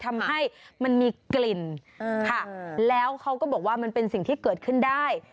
ทำให้มันมีกลิ่นค่ะแล้วเขาก็บอกว่ามันเป็นสิ่งที่เกิดขึ้นได้